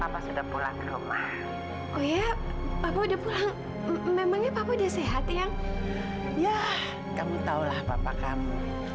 pulang rumah oh ya aku udah pulang memangnya papa udah sehat yang ya kamu tahulah papa kamu